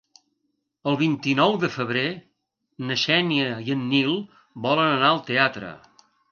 El vint-i-nou de febrer na Xènia i en Nil volen anar al teatre.